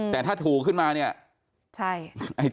แต่ถ้าถูกขึ้นมาเนี่ยไอ้เจ้าที่ก็มีสลากจริง